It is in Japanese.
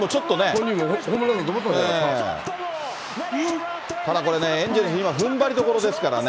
本人もホームランだと思ったただこれね、エンゼルス、今、ふんばりどころですからね。